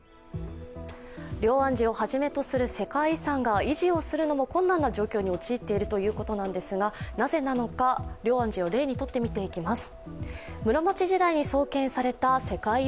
龍安寺をはじめとする世界遺産が維持をするのも困難な状況に陥っているということなんですが、なぜなのか、龍安寺を例にとって見ていきます。